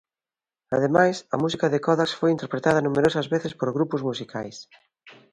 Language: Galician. Ademais, a música de Codax foi interpretada numerosas veces por grupos musicais.